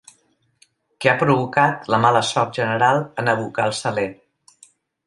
Que ha provocat la mala sort general en abocar el saler.